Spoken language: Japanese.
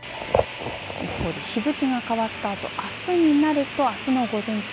一方で日付が変わったあとあすになるとあすの午前中